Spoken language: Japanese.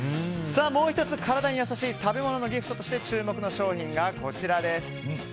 もう１つ、体に優しい食べ物のギフトとして注目の商品がこちらです。